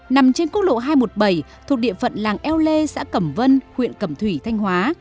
nằm trên quốc lộ hai trăm một mươi bảy thuộc địa phận làng eo lê xã cẩm vân huyện cẩm thủy thanh hóa